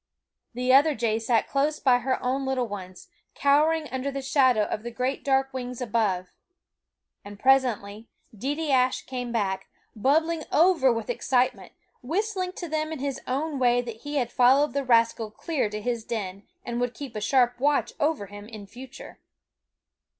The other jay sat close by her own little ones, cowering under the shadow of the great dark wings above. And presently Deedeeaskh came back, bubbling over with the excitement, whistling to them in his own way that he had followed the ras cal clear to his den, and would keep a sharp watch over him in future.